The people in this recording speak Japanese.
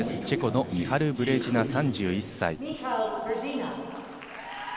チェコのミハル・ブレジナ３１歳。